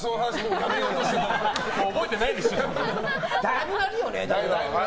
だいぶ前だよね。